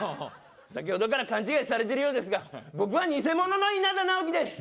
先ほどから勘違いされてるようですが僕は偽者の稲田直樹です